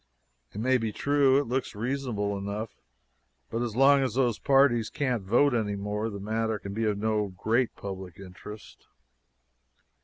It may be true it looks reasonable enough but as long as those parties can't vote anymore, the matter can be of no great public interest.